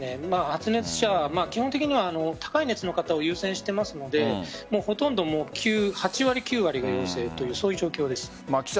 発熱者基本的には高い熱の方を優先していますのでほとんど８割、９割陽性という状況です。